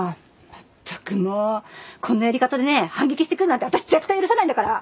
まったくもうこんなやり方でね反撃してくるなんてわたし絶対許さないんだから。